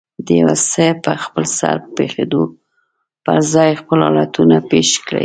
د يو څه په خپلسر پېښېدو پر ځای خپل حالتونه پېښ کړي.